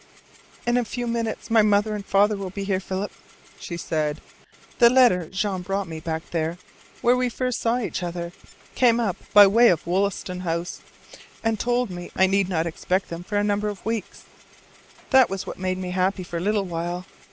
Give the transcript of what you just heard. "In a few minutes my mother and father will be here, Philip," she said. "The letter Jean brought me back there, where we first saw each other, came up by way of Wollaston House, and told me I need not expect them for a number of weeks. That was what made me happy for a little while.